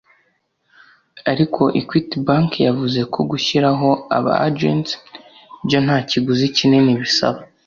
ariko Equity bank yavuze ko gushyiraho aba “agents” byo nta kiguzi kinini bisaba